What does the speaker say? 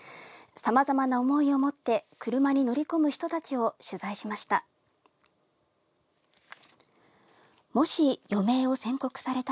さまざまな思いを持って車に乗り込む人たちを取材しました。